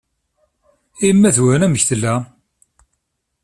I yemma-twen amek i tella?